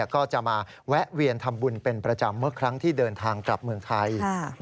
ก็จะมาแวะเวียนทำบุญเป็นประจำเมื่อครั้งที่เดินทางกลับเมืองไทย